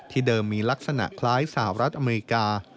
เดิมมีลักษณะคล้ายสหรัฐอเมริกา